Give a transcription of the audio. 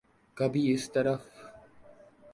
کبھی اس طرف۔